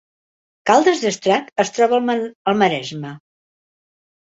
Caldes d’Estrac es troba al Maresme